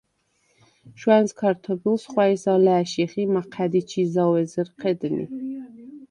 შუ̂ა̈ნს ქართობილს ხუ̂ა̈ჲს ალა̄̈შიხ ი მაჴა̈დი ჩი ზაუ̂ ეზერ ჴედნი.